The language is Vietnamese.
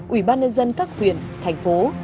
ủy ban nhân dân các huyện thành phố